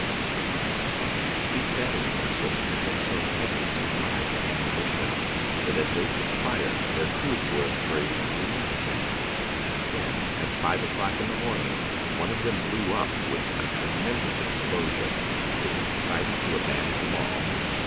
THE BOOK OF FAMOUS SIEGES These battery vessels had been so heavily sup plied with ammunition that as they took fire their crews were afraid to remain in them; and when, at five o'clock in the morning, one of them blew up with a tremendous explosion, it was decided to abandon them all.